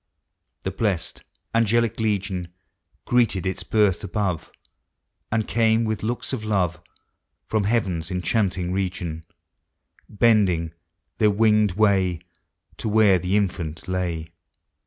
The blest nugelic legion, (Ireeted its birth above. And came, with looks of love. From heaven's enchanting region; Bending their winged way To where the infant lay.